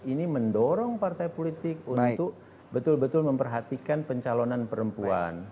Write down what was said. ini mendorong partai politik untuk betul betul memperhatikan pencalonan perempuan